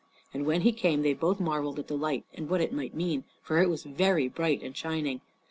And when he came they both marveled at the light and what it might mean, for it was very bright and shining.